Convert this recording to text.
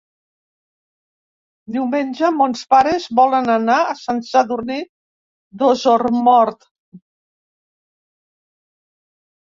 Diumenge mons pares volen anar a Sant Sadurní d'Osormort.